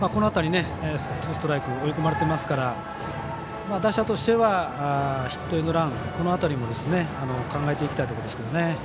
この辺りツーストライクと追い込まれているので打者としてはヒットエンドラン、この辺りを考えていきたいところですけどね。